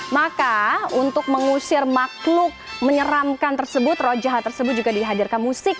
maka untuk mengusir makhluk menyeramkan tersebut roh jahat tersebut juga dihadirkan musik